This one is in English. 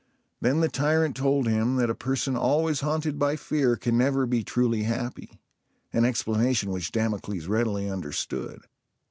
Then the tyrant told him that a person always haunted by fear can never be truly happy, an explanation which Damocles readily understood.